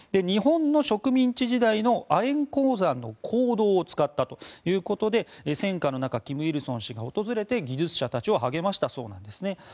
日本の植民地時代の亜鉛鉱山の坑道を使ったということで戦火の中、金日成氏が訪れて技術者たちを励ましたそうなんですね。